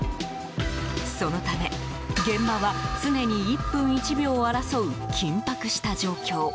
そのため現場は常に１分１秒を争う緊迫した状況。